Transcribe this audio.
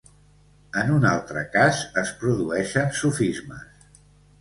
En un altre cas es produeixen sofismes.